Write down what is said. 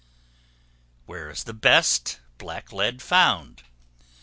Where is the best Black Lead found?